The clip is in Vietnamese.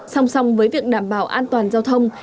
song song với việc đảm bảo an toàn giao thông